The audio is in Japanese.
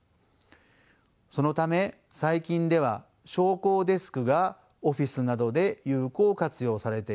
そのため最近では昇降デスクがオフィスなどで有効活用されています。